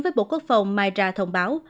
với bộ quốc phòng mai ra thông báo